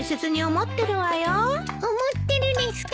思ってるですか？